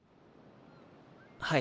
はい。